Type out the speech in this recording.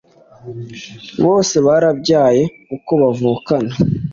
bose barabyaye uko bavukana